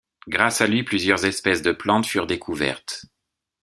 Grâce à lui plusieurs espèces de plantes furent découvertes.